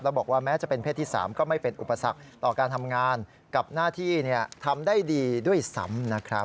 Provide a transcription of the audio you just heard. แล้วบอกว่าแม้จะเป็นเพศที่๓ก็ไม่เป็นอุปสรรคต่อการทำงานกับหน้าที่ทำได้ดีด้วยซ้ำนะครับ